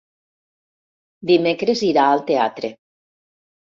Dimecres irà al teatre.